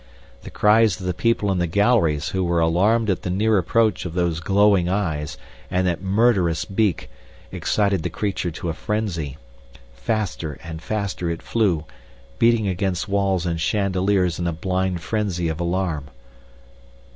The cries of the people in the galleries, who were alarmed at the near approach of those glowing eyes and that murderous beak, excited the creature to a frenzy. Faster and faster it flew, beating against walls and chandeliers in a blind frenzy of alarm.